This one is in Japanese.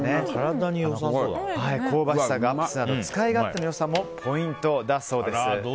香ばしさアップなど使い勝手の良さがポイントだそうです。